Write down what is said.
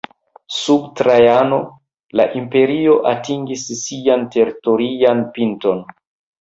Sub Trajano, la imperio atingis sian teritorian pinton.